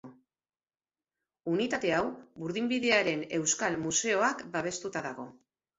Unitate hau Burdinbidearen Euskal Museoak babestuta dago.